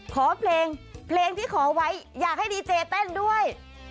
ขอเพลงเพลงที่ขอไว้อยากให้ดีเจเต้นด้วย